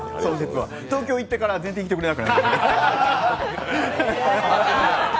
東京行ってから全然来てくれなくなりましたね。